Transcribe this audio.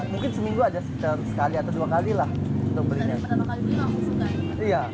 mungkin seminggu ada sekitar sekali atau dua kali lah